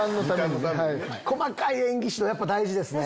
細かい演技指導やっぱ大事ですね。